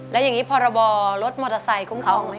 แล้วอย่างนี้พรบรถมอเตอร์ไซค์คุ้มครองไหม